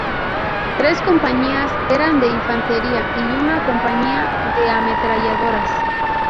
Tres compañías eran de infantería y una compañía de ametralladoras.